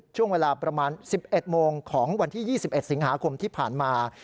ช่วงเวลาประมาณ๑๑โมงของวันที่๒๑สิงหาคมที่ผ่านมา